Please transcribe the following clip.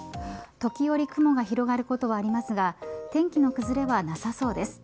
時折、雲が広がることはありますが天気の崩れはなさそうです。